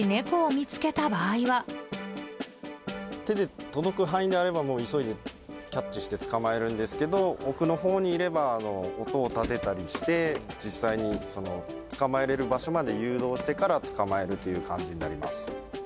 手で届く範囲であれば、もう急いでキャッチして捕まえるんですけど、奥のほうにいれば、音をたてたりして、実際に捕まえれる場所まで誘導してから捕まえるという感じになります。